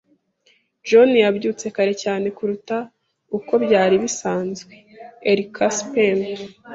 John yabyutse kare cyane kuruta uko byari bisanzwe. (erikspen)